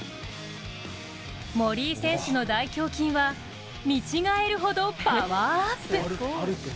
森井選手の大胸筋は見違えるほどパワーアップ。